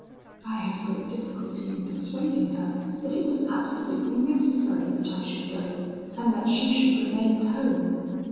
I had great difficulty in persuading her that it was absolutely necessary that I should go, and that she should remain at home.